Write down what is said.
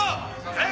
・はい！